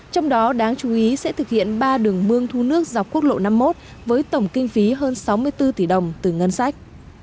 trong đó đáng chú ý sẽ thực hiện ba đường mương thu nước dọc quốc lộ năm mươi một với tổng kinh phí hơn sáu mươi bốn tỷ đồng từ ngân sách